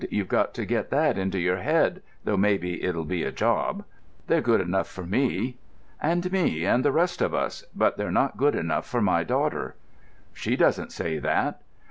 You've got to get that into your head, though maybe it'll be a job." "They're good enough for me." "And me, and the rest of us; but they're not good enough for my daughter." "She doesn't say that."